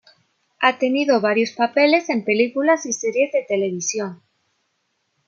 Ha tenido varios papeles en películas y series de televisión.